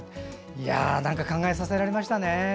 いや、考えさせられましたね。